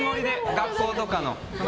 学校とかの。